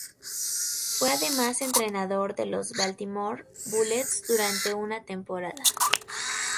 Fue además entrenador de los Baltimore Bullets durante una temporada.